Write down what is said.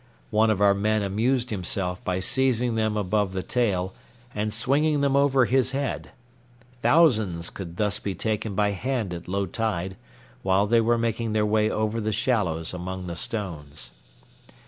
One of our men amused himself by seizing them above the tail and swinging them over his head. Thousands could thus be taken by hand at low tide, while they were making their way over the shallows among the stones.